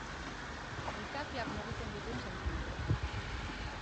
Gizakiak mugitzen dituen sentimenduak.